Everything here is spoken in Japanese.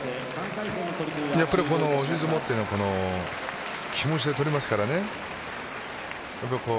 やっぱり押し相撲というのは気持ちで取りますからね。